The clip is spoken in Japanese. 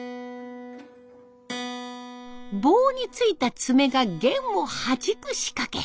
棒に付いた爪が弦をはじく仕掛け。